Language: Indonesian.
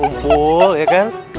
rumpul ya kan